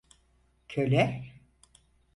Köle!